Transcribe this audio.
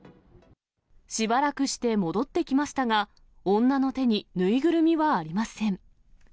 しばらくして戻ってきましたが、女の手に縫いぐるみはありません。